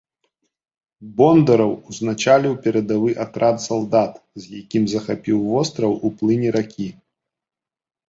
Бондараў ўзначаліў перадавы атрад салдат, з якімі захапіў востраў у плыні ракі.